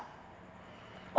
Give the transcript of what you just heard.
saya sudah pak